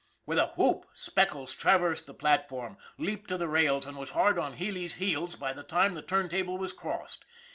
With a whoop, Speckles traversed the platform, leaped to the rails, and was hard on Healy's heels by the time the turntable was crossed.